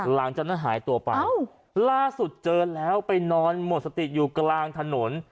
หลังจากนั้นหายตัวไปล่าสุดเจอแล้วไปนอนหมดสติอยู่กลางถนน